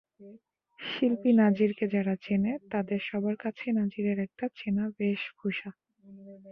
শিল্পী নাজিরকে যাঁরা চেনে, তাদের সবার কাছেই নাজিরের একটা চেনা বেশভূষা।